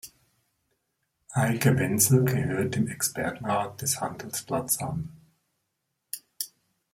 Eike Wenzel gehört dem Expertenrat des Handelsblatts an.